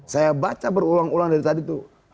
saya baca berulang ulang dari tadi tuh